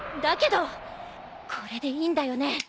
だけどこれでいいんだよね。